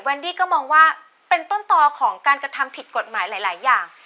ดี้ก็มองว่าเป็นต้นต่อของการกระทำผิดกฎหมายหลายอย่าง